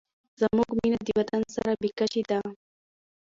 زموږ مینه د وطن سره بې کچې ده.